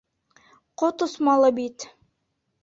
Ҡот осмалы бит!